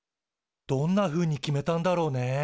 どんなふうに決めたんだろうね。